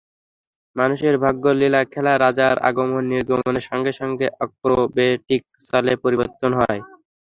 মানুষের ভাগ্যের লীলাখেলা, রাজার আগমন-নির্গমনের সঙ্গে সঙ্গে অ্যাক্রোবেটিক চালে পরিবর্তিত হয়।